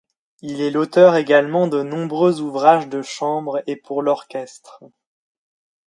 Il est l'auteur également de nombreux ouvrages de chambre et pour l'orchestre.